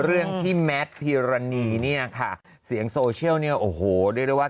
เห็นจ่ะขอบคุณมากจริงเลยนะคะ